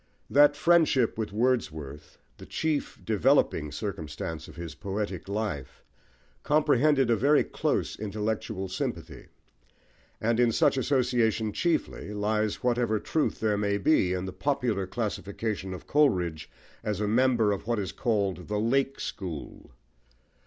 That friendship with Wordsworth, the chief "developing" circumstance of his poetic life, comprehended a very close intellectual sympathy; and in such association chiefly, lies whatever truth there may be in the popular classification of Coleridge as a member of what is called the "Lake School."